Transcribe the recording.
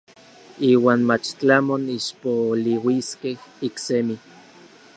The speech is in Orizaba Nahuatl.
Iuan mach tlamon ixpoliuiskej iksemi.